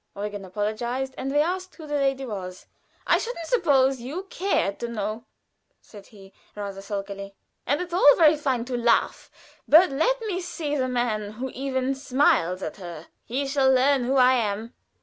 Eugen apologized, and we asked who the lady was. "I shouldn't suppose you cared to know," said he, rather sulkily. "And it's all very fine to laugh, but let me see the man who even smiles at her he shall learn who I am."